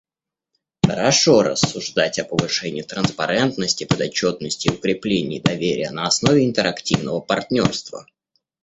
Хорошо рассуждать о повышении транспарентности, подотчетности и укреплении доверия на основе интерактивного партнерства.